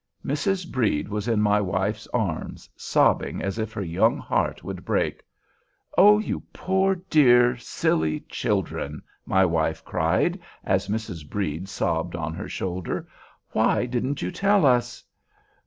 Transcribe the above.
Mrs. Brede was in my wife's arms, sobbing as if her young heart would break. "Oh, you poor, dear, silly children!" my wife cried, as Mrs. Brede sobbed on her shoulder, "why didn't you tell us?"